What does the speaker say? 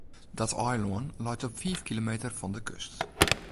Dat eilân leit op fiif kilometer fan de kust.